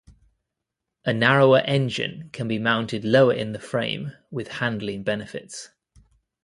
A narrower engine can be mounted lower in the frame with handling benefits.